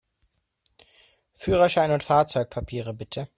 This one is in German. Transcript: Führerschein und Fahrzeugpapiere, bitte!